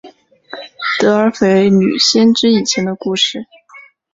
德尔斐女先知以前的故事。